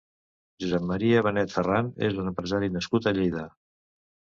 Josep Maria Benet Ferran és un empresari nascut a Lleida.